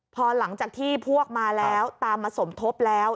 พอหลังจากที่พวกมาแล้วตามมาสมทบแล้ว